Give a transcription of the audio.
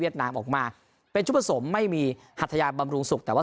นามออกมาเป็นชุดผสมไม่มีหัทยาบำรุงสุขแต่ว่า